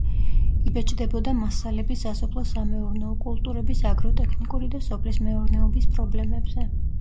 იბეჭდებოდა მასალები სასოფლო-სამეურნეო კულტურების აგროტექნიკური და სოფლის მეურნეობის პრობლემებზე.